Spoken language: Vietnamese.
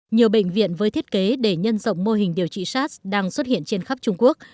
nhiều bệnh viện với thiết kế để nhân rộng mô hình điều trị sars đang xuất hiện trên khắp trung quốc